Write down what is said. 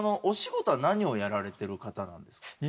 お仕事は何をやられてる方なんですか？